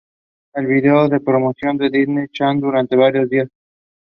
Kitty Empire writing for "The Guardian" called it "funny and often harrowing".